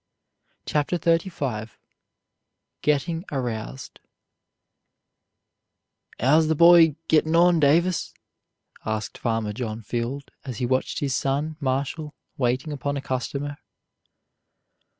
CHAPTER XXXV GETTING AROUSED "How's the boy gittin' on, Davis?" asked Farmer John Field, as he watched his son, Marshall, waiting upon a customer.